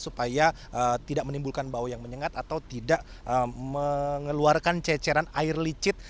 supaya tidak menimbulkan bau yang menyengat atau tidak mengeluarkan ceceran air licit